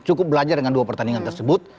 cukup belajar dengan dua pertandingan tersebut